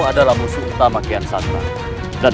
kenapa kamu tidak tahu apa yang terjadi